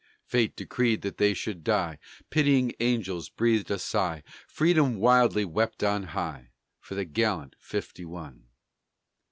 Fate decreed that they should die; Pitying angels breathed a sigh; Freedom wildly wept on high, For the gallant Fifty one!